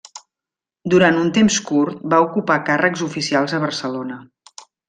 Durant un temps curt va ocupar càrrecs oficials a Barcelona.